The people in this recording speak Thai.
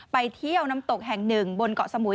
ไปเที่ยวน้ำตกแห่งหนึ่งบนเกาะสมุย